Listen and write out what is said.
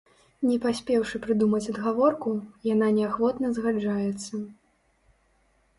Не паспеўшы прыдумаць адгаворку, яна неахвотна згаджаецца.